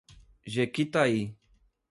Jequitaí